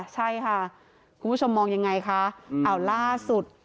ใช่ค่ะคุณผู้ชมมองยังไงคะเอาล่าสุด